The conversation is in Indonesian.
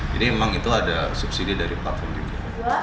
jadi memang itu ada subsidi dari platform juga